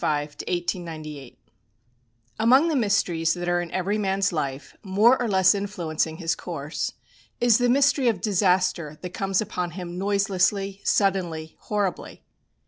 THE SEVENTEENTH MILESTONE 1895 1898 Among the mysteries that are in every man's life, more or less influencing his course, is the mystery of disaster that comes upon him noiselessly, suddenly, horribly.